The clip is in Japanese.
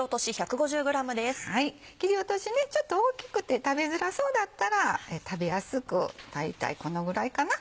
切り落としちょっと大きくて食べづらそうだったら食べやすく大体このぐらいかな。